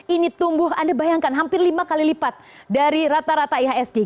ini tumbuh anda bayangkan hampir lima kali lipat dari rata rata ihsg